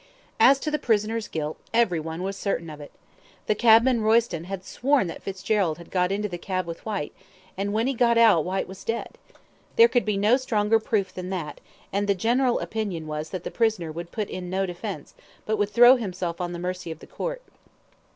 As to the prisoner's guilt, everyone was certain of it. The cabman Royston had sworn that Fitzgerald had got into the cab with Whyte, and when he got out Whyte was dead. There could be no stronger proof than that, and the general opinion was that the prisoner would put in no defence, but would throw himself on the mercy of the court.